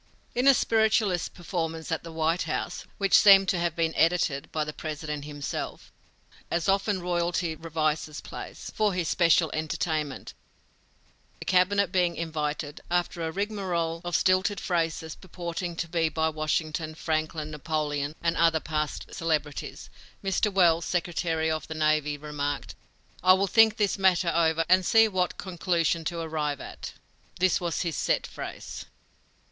In a Spiritualist performance at the White House, which seemed to have been "edited" by the President himself as often royalty revises plays for his special entertainment, the Cabinet being invited, after a rigmarole of stilted phrases purporting to be by Washington, Franklin, Napoleon, and other past celebrities, Mr. Welles, secretary of the navy, remarked: "I will think this matter over, and see what conclusion to arrive at!" (His set phrase.)